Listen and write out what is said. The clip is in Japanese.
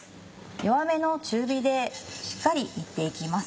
弱めの中火でしっかり炒って行きます。